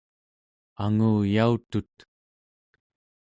anguyautut